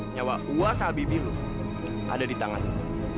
nyawa kuasa bibi lu ada di tangan lu